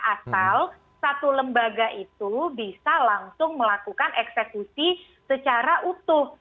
asal satu lembaga itu bisa langsung melakukan eksekusi secara utuh